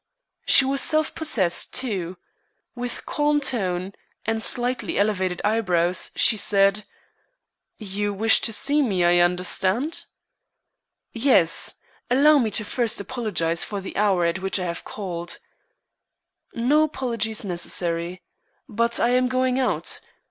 She was self possessed, too. With calm tone, and slightly elevated eyebrows, she said: "You wish to see me, I understand?" "Yes. Allow me first to apologize for the hour at which I have called." "No apology is necessary. But I am going out.